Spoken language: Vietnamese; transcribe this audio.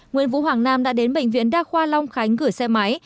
nguyễn vũ hoàng nam đã đến bệnh viện đa khoa long khánh gửi xe máy